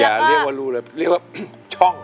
อย่าเรียกว่ารู้เลยเรียกว่าช่อง